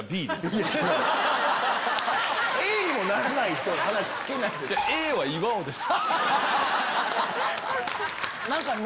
Ａにもなれない人の話聞けないです。